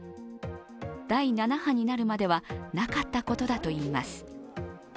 第７波になるまではなかったことだといいます。